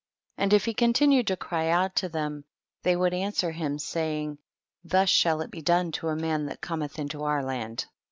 6. And if he continued to cry out to them, they would answer him, saying, thus shall it be done to a man that Cometh into our land.